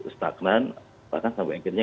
stagnan bahkan sampai akhirnya